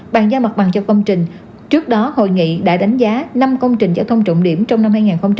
bàn giao mặt bằng cho công trình trước đó hội nghị đã đánh giá năm công trình giao thông trọng điểm trong năm hai nghìn hai mươi